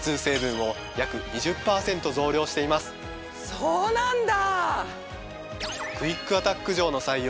そうなんだ。